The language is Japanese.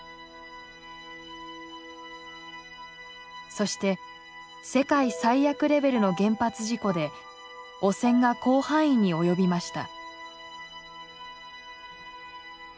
そして世界最悪レベルの原発事故で汚染が広範囲に及びました。